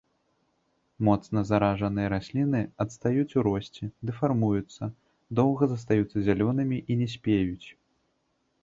Моцна заражаныя расліны адстаюць у росце, дэфармуюцца, доўга застаюцца зялёнымі і не спеюць.